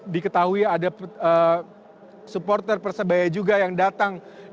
diketahui ada supporter persebaya juga yang datang di pertandingan tersebut